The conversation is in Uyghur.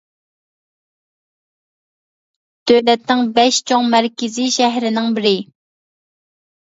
دۆلەتنىڭ بەش چوڭ مەركىزى شەھىرىنىڭ بىرى.